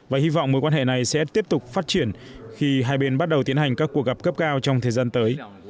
và hy vọng mối quan hệ này sẽ tiếp tục phát triển khi hai bên bắt đầu tiến hành các cuộc gặp cấp cao trong thời gian tới